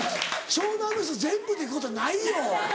湘南の人全部っていうことないよ！